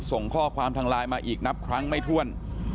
ส่งข้อความทางไลน์มาอีกนับครั้งไม่ถ้วน